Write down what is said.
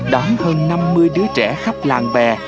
đón hơn năm mươi đứa trẻ khắp làng về